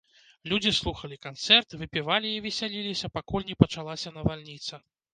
Людзі слухалі канцэрт, выпівалі і весяліліся, пакуль не пачалася навальніца.